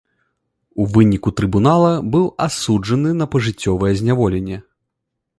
У выніку трыбунала быў асуджаны на пажыццёвае зняволенне.